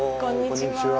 こんにちは。